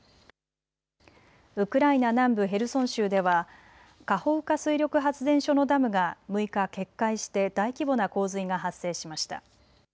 ウクライナ南部ヘルソン州ではカホウカ水力発電所のダムが６日、決壊して大規模な洪水が発生しました。